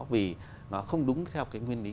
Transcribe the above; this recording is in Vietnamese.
vì nó không đúng theo cái nguyên lý